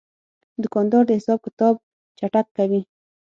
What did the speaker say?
دوکاندار د حساب کتاب چټک کوي.